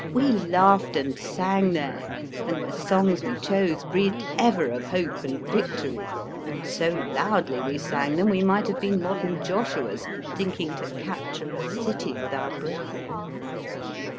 We laughed and sang there, and the songs we chose breathed ever of hope and victory, and so loudly we sang them we might have been modern Joshuas, thinking to cap ture a city with our breath.